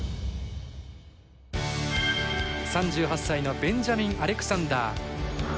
３８歳のベンジャミン・アレクサンダー。